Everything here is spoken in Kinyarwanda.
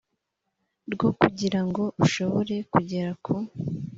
rwo kugira ngo ushobore kugera ku